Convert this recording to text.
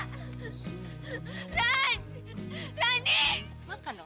kalian tak terserempak dengan aku